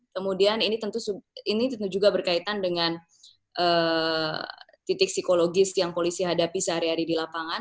kemudian ini tentu juga berkaitan dengan titik psikologis yang polisi hadapi sehari hari di lapangan